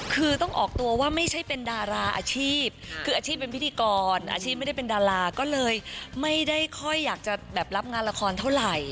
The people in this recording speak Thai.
คือต้องออกตัวว่าไม่ใช่เป็นดาราอาชีพคืออาชีพเป็นพิธีกรอาชีพไม่ได้เป็นดาราก็เลยไม่ได้ค่อยอยากจะแบบรับงานละครเท่าไหร่